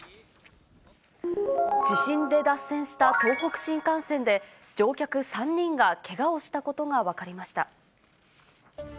地震で脱線した東北新幹線で、乗客３人がけがをしたことが分かりました。